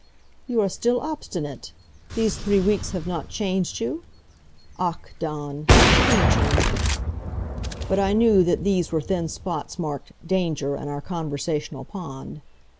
"You are still obstinate? These three weeks have not changed you? Ach, Dawn! Kindchen! " But I knew that these were thin spots marked "Danger!" in our conversational pond.